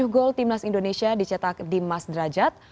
tujuh gol timnas indonesia dicetak dimas derajat